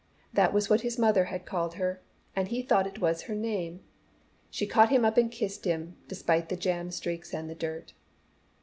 That was what his mother had called her, and he thought it was her name. She caught him up and kissed him, despite the jam streaks and the dirt.